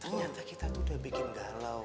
ternyata kita tuh udah bikin galau